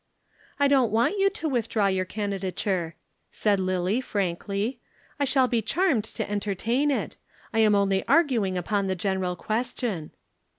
"I don't want you to withdraw your candidature," said Lillie, frankly. "I shall be charmed to entertain it. I am only arguing upon the general question."